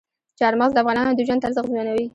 چار مغز د افغانانو د ژوند طرز اغېزمنوي.